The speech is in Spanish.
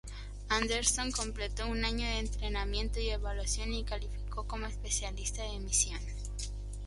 Anderson completó un año de entrenamiento y evaluación y calificó como especialista de misión.